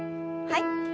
はい。